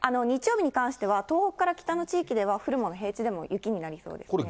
日曜日に関しては、東北から北の地域では、降るもの、平地でも雪になりそうですね。